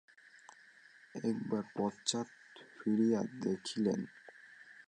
একবার পশ্চাৎ ফিরিয়া দেখিলেন।